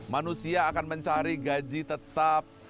manusia akan mencari gaji tetap